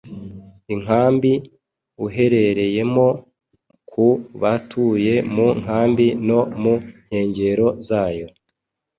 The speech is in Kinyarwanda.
inkambi uherereyemo ku batuye mu nkambi no mu nkengero zayo